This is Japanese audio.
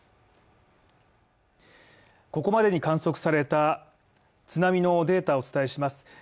ここまでに観測された津波のデータをお伝えします。